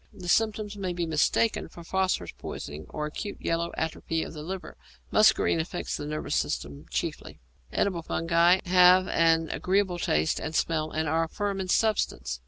The symptoms may be mistaken for phosphorus poisoning or acute yellow atrophy of the liver. Muscarine affects the nervous system chiefly. Edible fungi have an agreeable taste and smell, and are firm in substance.